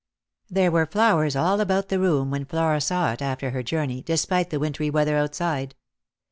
There were flowers all about the room when Flora saw it after her journey, despite the wintry weather outside.